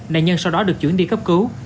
nạn nhân sau đó được chuyển đi cấp cứu